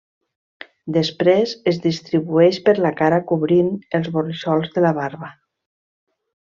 Després, es distribueix per la cara cobrint els borrissols de la barba.